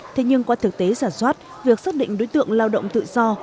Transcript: thế nhưng qua thực tế giả soát việc xác định đối tượng lao động tự do